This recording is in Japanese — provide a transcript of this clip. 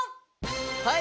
はい！